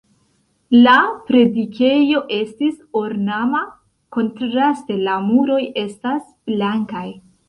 La predikejo estis ornama, kontraste la muroj estas blankaj.